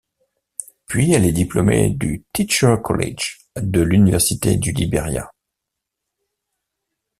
Puis elle est diplômé du Teachers College de l'université du Libéria.